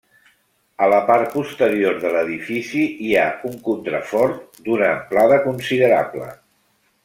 A la part posterior de l'edifici hi ha un contrafort d'una amplada considerable.